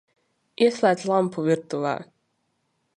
Ieslēdz lampu virtuvē!